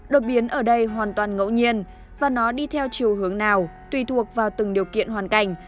đột biến ở đây hoàn toàn ngẫu nhiên và nó đi theo chiều hướng nào tùy thuộc vào từng điều kiện hoàn cảnh